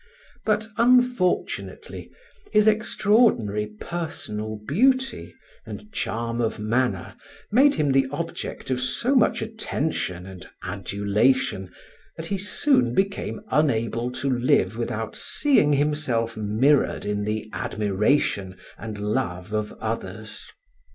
But unfortunately, his extraordinary personal beauty and charm of manner made him the object of so much attention and adulation that he soon became unable to live without seeing himself mirrored in the admiration and love of others.